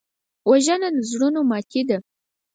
وژنه د زړونو ماتې ده